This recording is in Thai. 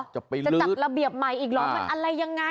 จะจัดระเบียบใหม่อีกหรออะไรอย่างไร